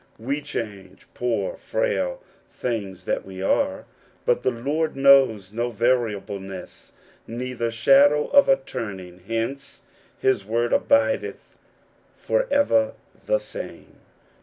We change ; poor, frail ^ things that we are! But the Lord knows no variableness, neither shadow of a turning ; hence his word abideth for ever the same.